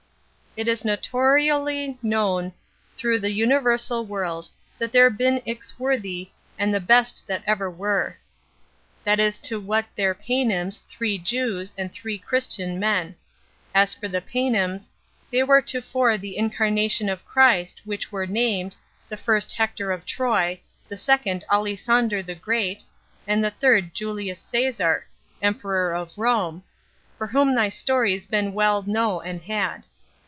"It is notoyrly knowen thorugh the vnyuersal world that there been ix worthy and the best that ever were. That is to wete thre paynyms, three Jewes, and three crysten men. As for the paynyms, they were tofore the Incarnacyon of Cryst whiche were named, the fyrst Hector of Troye; the second Alysaunder the grete, and the thyrd Julyus Cezar, Emperour of Rome, of whome thystoryes ben wel kno and had.